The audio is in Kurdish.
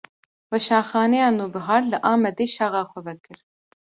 Weşanxaneya Nûbihar, li Amedê şaxa xwe vekir